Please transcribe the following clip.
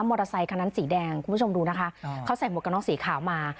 อเตอร์ไซคันนั้นสีแดงคุณผู้ชมดูนะคะเขาใส่หมวกกันน็อกสีขาวมา